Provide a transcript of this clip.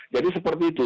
jadi seperti itu